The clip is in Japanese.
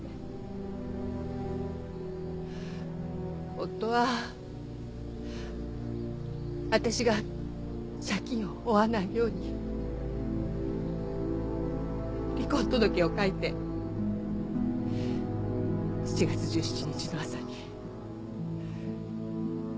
夫は私が借金を負わないように離婚届を書いて７月１７日の朝に自殺したんだ。